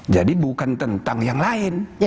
jadi bukan tentang yang lain